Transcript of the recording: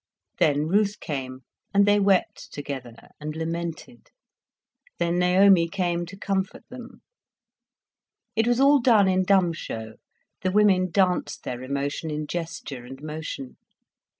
Then Ruth came, and they wept together, and lamented, then Naomi came to comfort them. It was all done in dumb show, the women danced their emotion in gesture and motion.